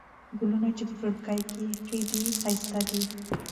ګلونه چې په کړکۍ کې ایښي دي، ښایسته دي.